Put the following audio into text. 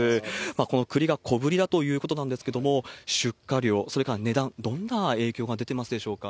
この栗が小ぶりだということなんですけれども、出荷量、それから値段、どんな影響が出てますでしょうか？